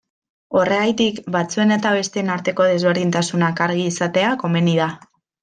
Horregatik, batzuen eta besteen arteko desberdintasunak argi izatea komeni da.